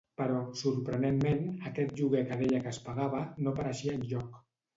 Però, sorprenentment, aquest lloguer que deia que es pagava no apareixia enlloc.